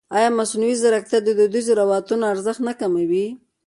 ایا مصنوعي ځیرکتیا د دودیزو روایتونو ارزښت نه کموي؟